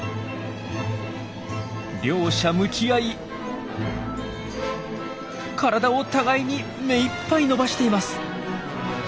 両者向き合い体を互いに目いっぱい伸ばしています。